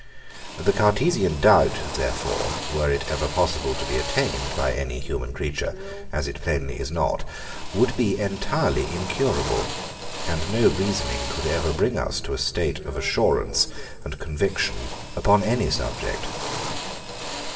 The Cartesian doubt, therefore, were it ever possible to be attained by any human creature (as it plainly is not) would be entirely incurable; and no reasoning could ever bring us to a state of assurance and conviction upon any subject.